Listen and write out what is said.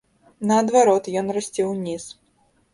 Наадварот, ён расце ўніз.